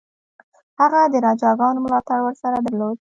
هغه د راجاګانو ملاتړ ورسره درلود.